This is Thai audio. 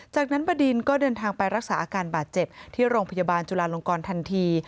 จากนั้นบดินก็เดินทางไปรักษาอาการบาดเจ็บที่โรงพยาบาลจุลาลงกรทันที